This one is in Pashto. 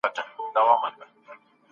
زعفران د دې ځانګړتیا ثبوت دی.